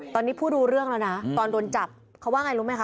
ตอนนี้ผู้รู้เรื่องแล้วนะตอนโดนจับเขาว่าไงรู้ไหมค